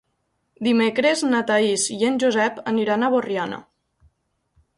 Dimecres na Thaís i en Josep aniran a Borriana.